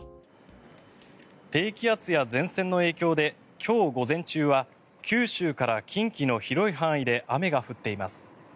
低気圧や前線の影響で今日午前中は九州から近畿の広い範囲で雨が降っています。